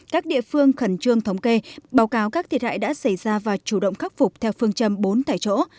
các địa phương khẩn trương thống kê báo cáo các thiệt hại đã xảy ra và chủ động khắc phục theo phương châm bốn thải chỗ